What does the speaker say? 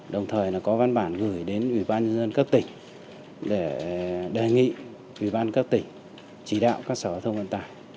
đồng thời có văn bản gửi đến ủy ban nhân dân các tỉnh để đề nghị ủy ban các tỉnh chỉ đạo các sở thông vận tải